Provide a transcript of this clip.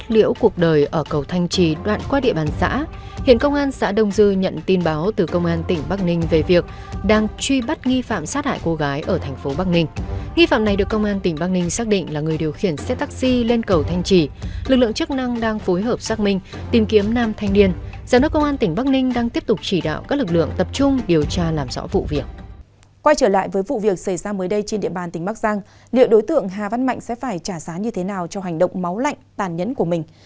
liệu đối tượng hà văn mạnh sẽ phải trả giá như thế nào cho hành động máu lạnh tàn nhẫn của mình